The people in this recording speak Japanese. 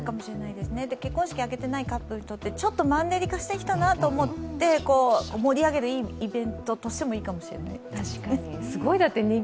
結婚式挙げてないカップルにとって、ちょっとマンネリ化したなと思って盛り上げるいいイベントとしてもいいかもしれないですね。